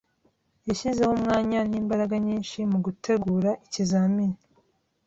Yashyizeho umwanya n'imbaraga nyinshi mugutegura ikizamini.